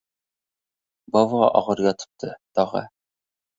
— Bova og‘ir yotibdi, tog‘a.